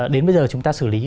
đến bây giờ chúng ta xử lý